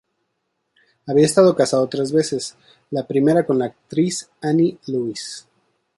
Había estado casado tres veces: la primera con la actriz Annie Lewis,